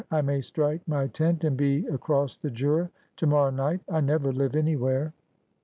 I may strike my tent and be across the Jura to morrow night. I never live anywhere.'